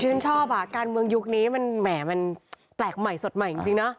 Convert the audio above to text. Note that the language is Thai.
ฉันชอบอ่ะการเมืองยุคนี้มันแหมมันแปลกใหม่สดใหม่จริงนะ